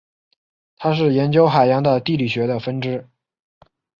它是研究海洋的地理学的分支。